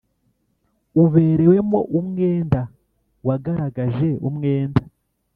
Uberewemo umwenda wagaragaje umwenda